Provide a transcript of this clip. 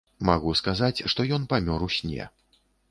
Магу сказаць, што ён памёр у сне.